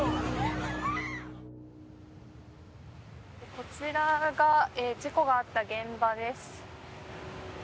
こちらが事故があった現場です。